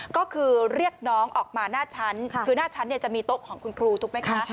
ก็คือเรียกน้องออกมาหน้าชั้นคือหน้าชั้นจะมีโต๊ะของคุณครูถูกไหมคะ